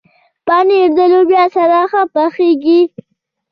پنېر د لوبیا سره هم پخېږي.